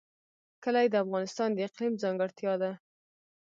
کلي د افغانستان د اقلیم ځانګړتیا ده.